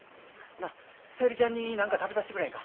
なあ小百合ちゃんに何か食べさしてくれへんか？